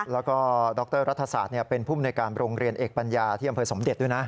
แล้วก็ดรรัฐศาสตร์เป็นภูมิในการโรงเรียนเอกปัญญาที่อำเภอสมเด็จด้วยนะ